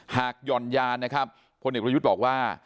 หากหย่อนยานนะครับพอยุทธ์บอกว่า